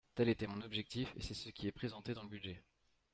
Tel était mon objectif et c’est ce qui est présenté dans le budget.